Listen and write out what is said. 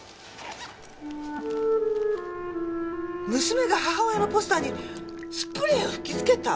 娘が母親のポスターにスプレーを吹き付けた？